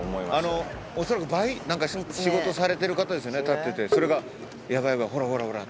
おそらく仕事されてる方ですよね立っててそれがヤバいヤバいほらほらほら。